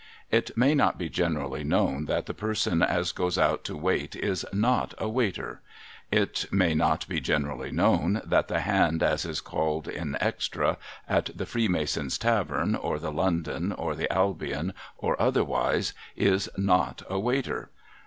It may not be generally known that the person as goes out to wait is ?iof a Waiter. It may not be generally known that the hand as is called in extra, at the Freemasons' Tavern, or the London, or the Albion, or otherwise, is //o/ a W^aiter.